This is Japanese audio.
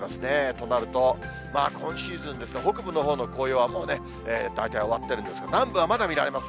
となると、今シーズンですね、北部のほうの紅葉はもうね、大体終わってるんですが、南部はまだ見られます。